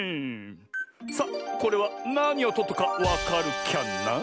さあこれはなにをとったかわかるキャな？